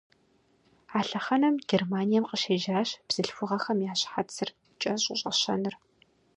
А лъэхъэнэм Германием къыщежьащ бзылъхугъэхэм я щхьэцыр кӀэщӀу щӀэщэныр.